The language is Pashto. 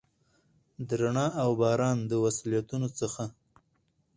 د رڼا اوباران، د وصلتونو څخه،